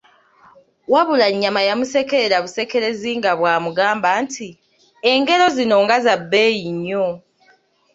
Wabula Nyaama yamusekerera busekerezi nga bw'amugamba nti, engero zino nga za bbeeyi nnyo!